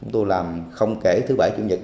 tôi làm không kể thứ bảy chủ nhật